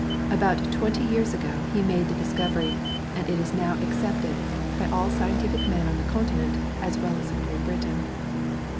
About twenty years ago he made the discovery, and it is now accepted by all scientific men on the Continent as well as in Great Britain.